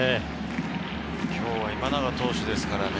今日は今永投手ですからね。